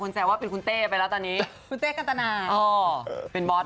แล้วพอประกาศมาปุ๊บเป็นบอส